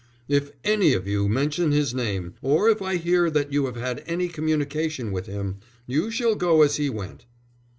"If any of you mention his name, or if I hear that you have had any communication with him, you shall go as he went."